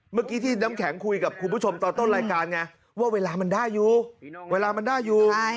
เมื่อกี้ที่น้ำแข็งคุยกับคุณผู้ชมตอนต้นรายการไงว่าเวลามันได้อยู่เวลามันได้อยู่